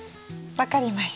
分かりました。